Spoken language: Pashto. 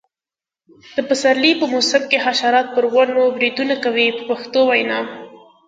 د پسرلي په موسم کې حشرات پر ونو بریدونه کوي په پښتو وینا.